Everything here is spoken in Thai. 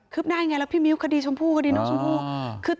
คืบหน้ายังไงแล้วพี่มิ้วคดีชมพูคดีหน้าชมพู